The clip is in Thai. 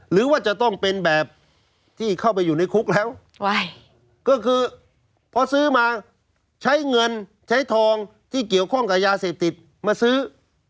หรือว่าจะต้องเป็นแบบที่เข้าไปอยู่ในคุกแล้วก็คือพอซื้อมาใช้เงินใช้ทองที่เกี่ยวข้องกับยาเสพติดมาซื้อ